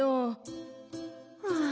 はあ。